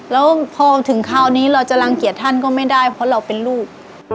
แล้วพอถึงคราวนี้เราจะรังเกียจท่านก็ไม่ได้เพราะเราเป็นลูก